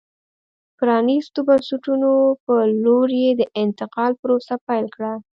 پرانیستو بنسټونو په لور یې د انتقال پروسه پیل کړه.